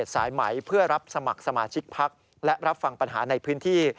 สายไหมเพื่อรับสมัครสมาชิกพักและรับฟังปัญหาในพื้นที่